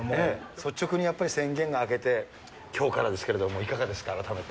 率直にやっぱり宣言が明けて、きょうからですけれども、いかがですか、改めて。